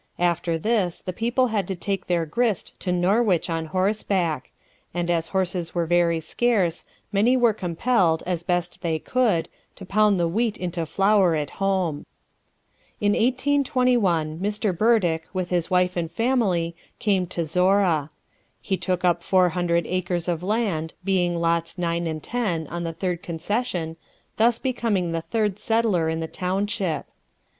After this the people had to take their grist to Norwich on horseback; and as horses were very scarce, many were compelled, as best they could, to pound the wheat into flour at home. In 1821 Mr. Burdick, with his wife and family, came to Zorra. He took up four hundred acres of land, being lots 9 and 10, on the third concession, thus becoming the third settler in the township.